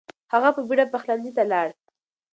هغه په بیړه پخلنځي ته لاړ.